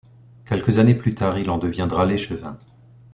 Quelques années plus tard, il en deviendra l'échevin.